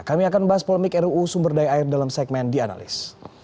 kami akan membahas polemik ruu sumber daya air dalam segmen dianalys